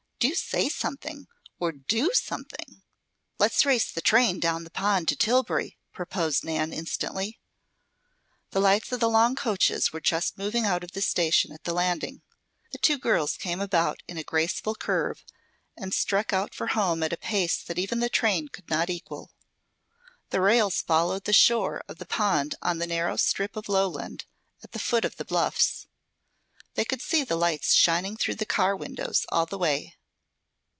Do say something, or do something." "Let's race the train down the pond to Tillbury," proposed Nan instantly. The lights of the long coaches were just moving out of the station at the Landing. The two girls came about in a graceful curve and struck out for home at a pace that even the train could not equal. The rails followed the shore of the pond on the narrow strip of lowland at the foot of the bluffs. They could see the lights shining through the car windows all the way.